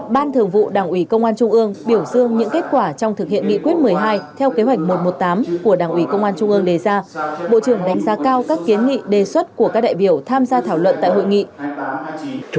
ban thường vụ đảng ủy công an trung ương biểu dương những kết quả trong thực hiện nghị quyết một mươi hai theo kế hoạch một trăm một mươi tám của đảng ủy công an trung ương đề ra bộ trưởng đánh giá cao các kiến nghị đề xuất của các đại biểu tham gia thảo luận tại hội nghị